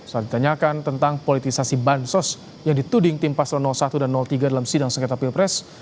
saat ditanyakan tentang politisasi bansos yang dituding tim paslon satu dan tiga dalam sidang sengketa pilpres